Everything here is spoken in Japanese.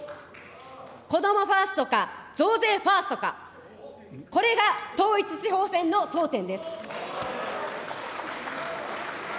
こどもファーストか、増税ファーストか、これが、統一地方選の争点です。